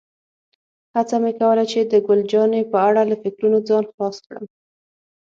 هڅه مې کوله چې د ګل جانې په اړه له فکرونو ځان خلاص کړم.